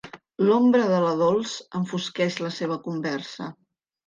L'ombra de la Dols enfosqueix la seva conversa.